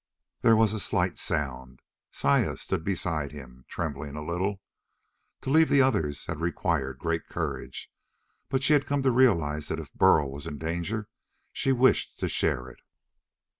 There was a slight sound. Saya stood beside him, trembling a little. To leave the others had required great courage, but she had come to realize that if Burl was in danger she wished to share it.